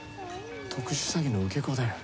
特殊詐欺の受け子だよ。